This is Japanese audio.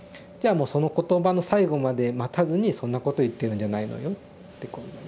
その言葉の最後まで待たずに「そんなこと言ってるんじゃないのよ」ってこう。